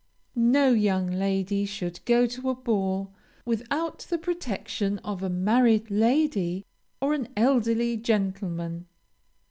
No young lady should go to a ball, without the protection of a married lady, or an elderly gentleman.